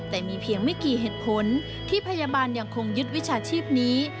แต่มีเพียงไม่กี่เหตุผลที่พยาบาลยังคงยึดวิชาชีพนี้